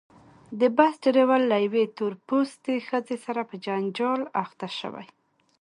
د بس ډریور له یوې تور پوستې ښځې سره په جنجال اخته شوی.